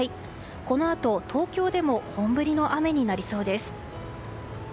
このあと東京でも本降りの雨になりそうです。